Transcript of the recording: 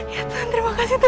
ya tuhan terima kasih tuh